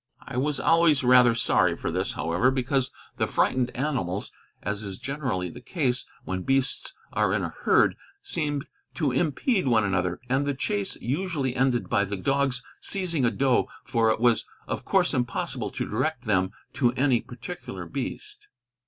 I was always rather sorry for this, however, because the frightened animals, as is generally the case when beasts are in a herd, seemed to impede one another, and the chase usually ended by the dogs seizing a doe, for it was of course impossible to direct them to any particular beast.